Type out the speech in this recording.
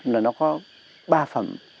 là nó có ba phẩm